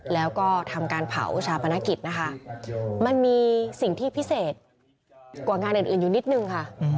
แล้วก็ทำการเผาชาปนกิจนะคะมันมีสิ่งที่พิเศษกว่างานอื่นอยู่นิดนึงค่ะ